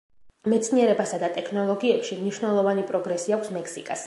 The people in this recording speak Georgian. მეცნიერებასა და ტექნოლოგიებში მნიშვნელოვანი პროგრესი აქვს მექსიკას.